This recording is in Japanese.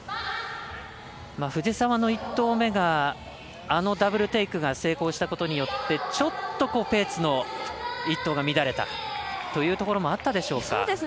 藤澤の１投目があのダブルテイクが成功したことによって、ちょっとペーツの１投が乱れたということもあったでしょうか。